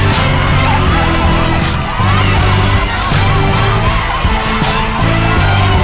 ช่วยฝันเลยช่วยแกะช่วยรอด้วยก่อนนะครับ